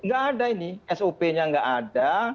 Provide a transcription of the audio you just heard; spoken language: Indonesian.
nggak ada ini sop nya nggak ada